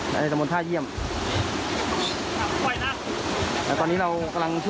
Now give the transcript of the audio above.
นี่คือภาพบรรยากาศนะครับ